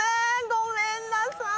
ごめんなさーい！